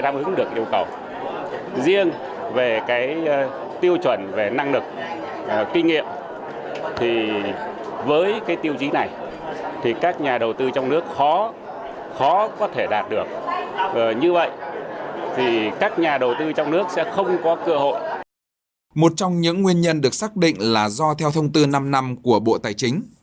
một trong những nguyên nhân được xác định là do theo thông tư năm năm của bộ tài chính